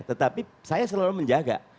tetapi saya selalu menjaga